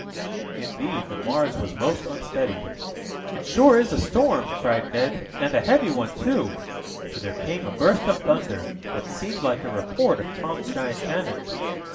Indeed the Mars was most unsteady. "It sure is a storm!" cried Ned, "and a heavy one, too," for there came a burst of thunder, that seemed like a report of Tom's giant cannon.